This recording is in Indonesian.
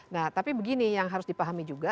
nah tapi begini yang harus dipahami juga